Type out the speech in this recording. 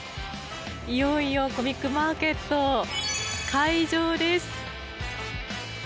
いよいよコミックマーケット開場です。